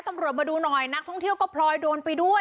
ตำรวจมาดูหน่อยนักท่องเที่ยวก็พลอยโดนไปด้วย